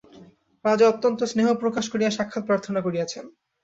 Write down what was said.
রাজা অত্যন্ত স্নেহপ্রকাশ করিয়া সাক্ষাৎ প্রার্থনা করিয়াছেন।